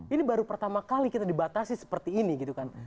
ini baru pertama kali kita dibatasi seperti ini gitu kan